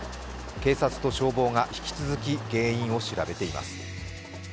警察と消防が引き続き原因を調べています。